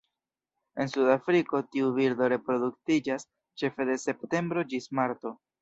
En Sudafriko, tiu birdo reproduktiĝas ĉefe de septembro ĝis marto.